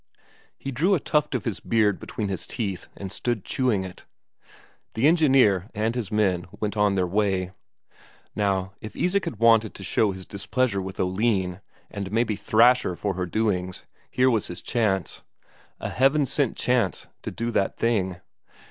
He drew a tuft of his beard between his teeth and stood chewing it. The engineer and his men went on their way. Now, if Isak had wanted to show his displeasure with Oline and maybe thrash her for her doings, here was his chance a Heaven sent chance to do that thing.